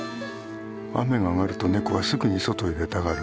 雨が上がるとネコはすぐに外へ出たがる。